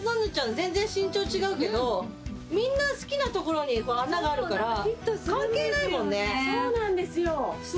全然身長違うけどみんな好きなところに穴があるから関係ないもんねすごいすごいそうなんですよ